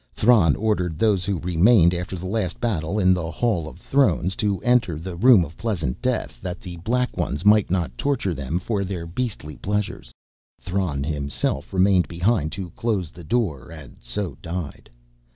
"Thran ordered those who remained after the last battle in the Hall of Thrones to enter the Room of Pleasant Death that the Black Ones might not torture them for their beastly pleasures. Thran himself remained behind to close the door, and so died."